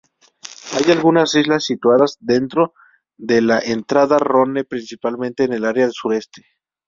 Hay algunas islas situadas dentro de la entrada Ronne, principalmente en el área suroeste.